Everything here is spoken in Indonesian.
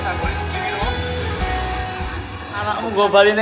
sampai jumpa di